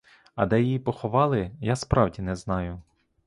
А де її поховали, я справді не знаю.